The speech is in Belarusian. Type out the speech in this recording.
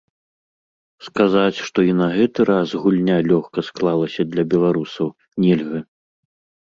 Сказаць, што і на гэты раз гульня лёгка склалася для беларусаў, нельга.